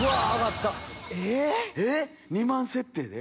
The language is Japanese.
えっ２万設定で⁉